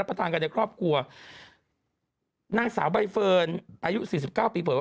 ประธานกันในครอบครัวนางสาวใบเฟิร์นอายุสี่สิบเก้าปีเปิด